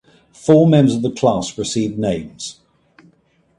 Four members of the class received names.